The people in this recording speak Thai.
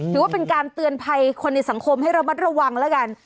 ถือว่าเป็นการเตือนภัยคนในสังคมให้ระมัดระวังแล้วกัน